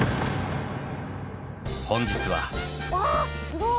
本日は。